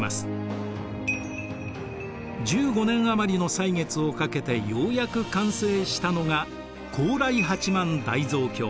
１５年余りの歳月をかけてようやく完成したのが高麗八萬大蔵経。